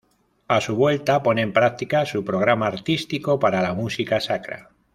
A su vuelta, pone en práctica su programa artístico para la música sacra.